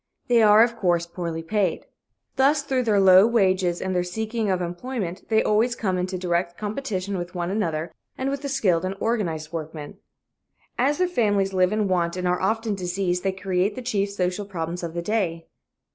They are, of course, poorly paid. Thus, through their low wages and their seeking of employment, they always come into direct competition with one another and with the skilled and organized workmen. As their families live in want and are often diseased, they create the chief social problems of the day.